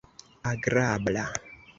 agrabla